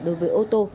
đối với ô tô